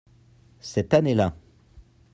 Cette année-là.